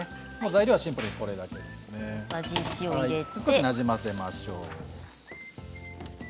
材料はシンプルにこれだけ少しなじませましょう。